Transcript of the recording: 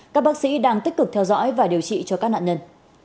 các bác sĩ đang tích cực theo dõi và điều trị cho các nạn nhân